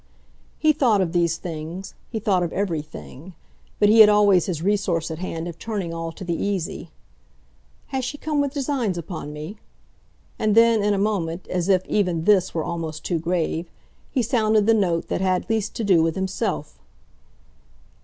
He thought of these things, he thought of every thing; but he had always his resource at hand of turning all to the easy. "Has she come with designs upon me?" And then in a moment, as if even this were almost too grave, he sounded the note that had least to do with himself.